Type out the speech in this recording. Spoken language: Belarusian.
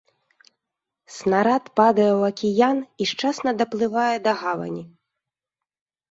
Снарад падае ў акіян і шчасна даплывае да гавані.